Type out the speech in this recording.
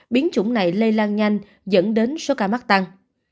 biến chủng này lây lan nhanh dẫn đến số ca mắc tăng